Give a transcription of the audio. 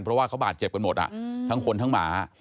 เพราะว่าเขาบาดเจ็บกันหมดทั้งคนทั้งหมา